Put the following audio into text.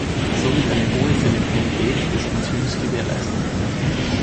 So wird eine hohe Selektivität des Enzyms gewährleistet.